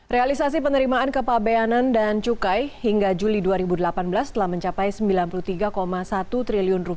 realisasi penerimaan kepabeanan dan cukai hingga juli dua ribu delapan belas telah mencapai rp sembilan puluh tiga satu triliun